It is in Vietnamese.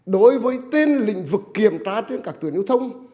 đối với tên lĩnh vực kiểm tra trên các tuyển hữu thông